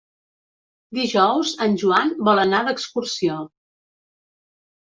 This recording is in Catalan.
Dijous en Joan vol anar d'excursió.